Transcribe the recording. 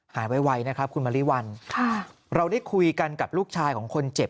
ไวนะครับคุณมริวัลเราได้คุยกันกับลูกชายของคนเจ็บ